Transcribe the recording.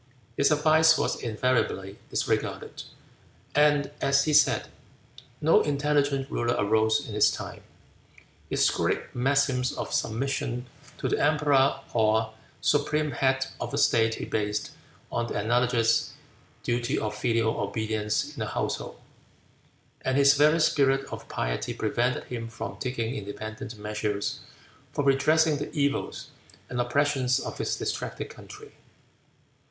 His advice was invariably disregarded, and as he said "no intelligent ruler arose in his time." His great maxims of submission to the emperor or supreme head of the state he based on the analogous duty of filial obedience in a household, and his very spirit of piety prevented him from taking independent measures for redressing the evils and oppressions of his distracted country.